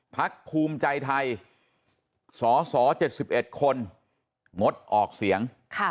พักภูมิใจไทยสส๗๑คนงดออกเสียง